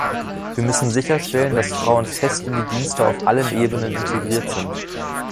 Wir müssen sicherstellen, dass Frauen fest in die Dienste auf allen Ebenen integriert sind.